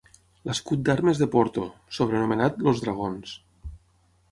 L'escut d'armes de Porto, sobrenomenat "els dragons".